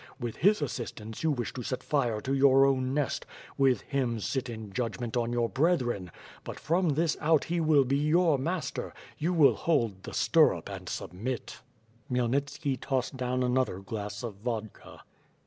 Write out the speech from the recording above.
With his assistance you wdsh to set fire to your own nest; with him, sit in jud<rment on your brethren! But from this out he will be your master; you will hold the stirrup and submit. Khmyelnitski tossed down another glass of vodka.